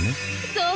そう。